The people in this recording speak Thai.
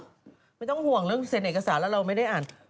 ไม่ต้องห่วงเรื่องเซ็นเอกสารแล้วเราไม่ได้อ่าน